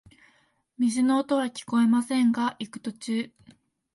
水の音はきこえませんが、行く途中、